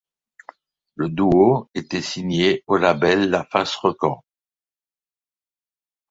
Le duo était signé au label LaFace Records.